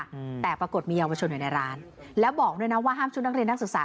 อืมแต่ปรากฏมีเยาวชนอยู่ในร้านแล้วบอกด้วยนะว่าห้ามชุดนักเรียนนักศึกษา